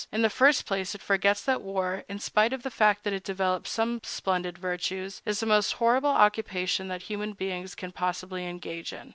In the first place, it forgets that war, in spite of the fact that it develops some splendid virtues, is the most horrible occupation that human beings can possibly engage in.